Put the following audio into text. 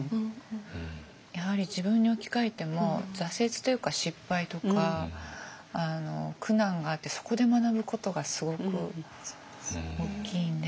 やはり自分に置き換えても挫折というか失敗とか苦難があってそこで学ぶことがすごく大きいんで。